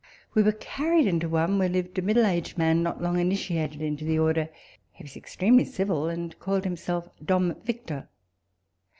We were carried into one, where lived a middle aged man not long initiated into the order. He was extremely civil, and called himself Dom Victor.